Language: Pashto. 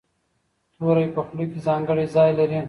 توری په خوله کې ځانګړی ځای لري.